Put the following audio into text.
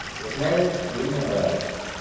He was married to Carina Berg.